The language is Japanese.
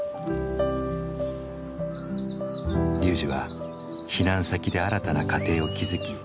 ＲＹＵＪＩは避難先で新たな家庭を築き